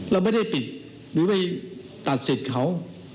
เราไม่ได้ปิดหรือไปตัดสิทธิ์เขา